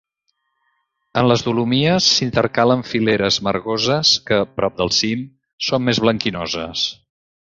En les dolomies s’intercalen fileres margoses que, prop del cim, són més blanquinoses.